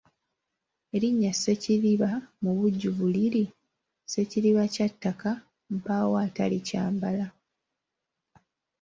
Erinnya Ssekiriba mu bujjuvu liri Ssekiriba kya ttaka mpaawo atalikyambala.